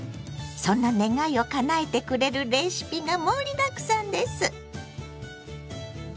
そんな願いをかなえてくれるレシピが盛りだくさんです！